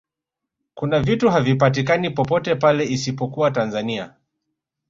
kuna vitu havipatikani popote pale isipokuwa tanzania